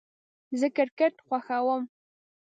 زه کرکټ خوښوم